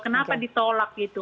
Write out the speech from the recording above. kenapa ditolak gitu